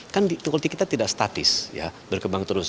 kan politik kita tidak statis berkembang terus